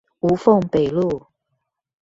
吳鳳北路